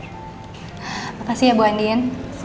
terima kasih bu andien